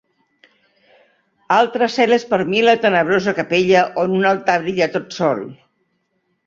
Altre cel és per mi la tenebrosa capella on un altar brilla tot sol.